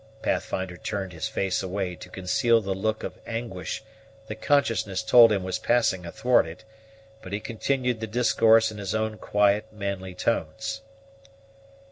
Pathfinder turned his face away to conceal the look of anguish that consciousness told him was passing athwart it, but he continued the discourse in his own quiet, manly tones.